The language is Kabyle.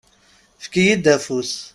Fek-iyi-d afus.